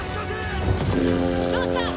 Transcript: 「どうした？」